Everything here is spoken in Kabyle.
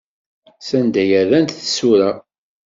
Sanda ay rrant tisura?